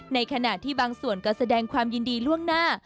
ในขณะที่บางส่วนก็แสดงความยินดีล่วงหน้า